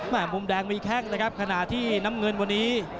มุมแดงมีแข้งนะครับขณะที่น้ำเงินวันนี้